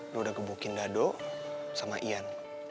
dia udah gebukin dado sama ian